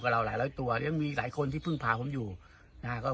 เราหลายร้อยตัวยังมีอีกหลายคนที่เพิ่งพาผมอยู่นะฮะก็